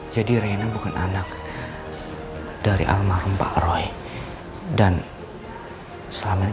jangan pastikan ini salah